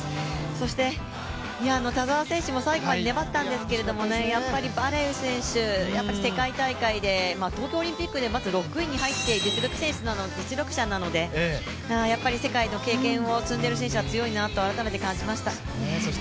そして田澤選手も最後まで粘ったんですけど、やっぱりバレウ選手、世界大会で東京オリンピックでまず６位に入っている実力者なのでやっぱり世界の経験を積んでる選手は強いなと改めて感じました。